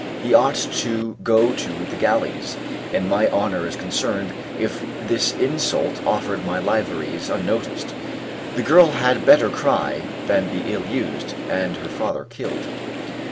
He ought to go to the gallies; and my honour is concerned, if this insult offered my livery is unnoticed. The girl had better cry, than be ill used, and her father killed.